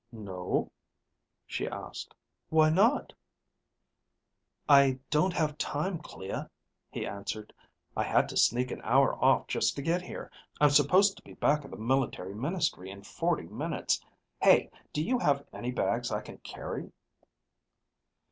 "No?" she asked. "Why not?" "I don't have time, Clea," he answered. "I had to sneak an hour off just to get here. I'm supposed to be back at the Military Ministry in forty minutes. Hey, do you have any bags I can carry?"